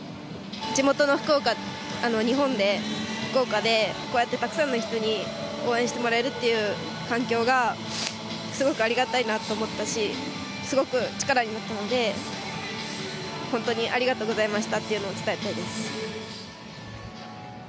地元の福岡日本で福岡でこうやってたくさんの人に応援してもらえるという環境がすごくありがたいなと思ったしすごく力になったので本当にありがとうございましたと伝えたいです。